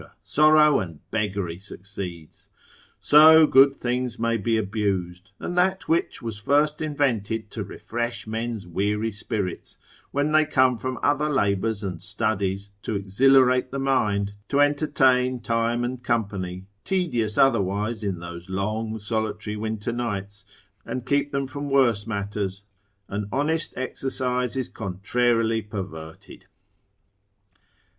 sorrow and beggary succeeds. So good things may be abused, and that which was first invented to refresh men's weary spirits, when they come from other labours and studies to exhilarate the mind, to entertain time and company, tedious otherwise in those long solitary winter nights, and keep them from worse matters, an honest exercise is contrarily perverted.